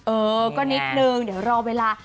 เออก็นิดนึงเดี๋ยวรอเวลา